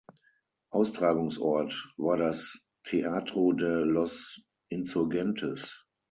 Austragungsort war das Teatro de los Insurgentes.